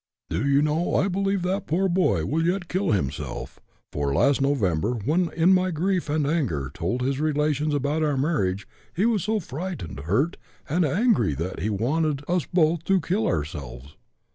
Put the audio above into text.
Do you know I believe that poor boy will yet kill himself, for last November when I in my grief and anger told his relations about our marriage he was so frightened, hurt, and angry that he wanted us both; to kill ourselves.